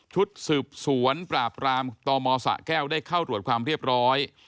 ชุดสืบสวนปราบรามตมสะแก้วได้เข้าตรวจความเรียบร้อย